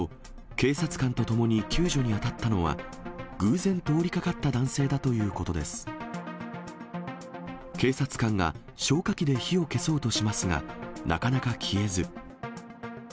警察官が消火器で火を消そうとしますが、なかなか消えず。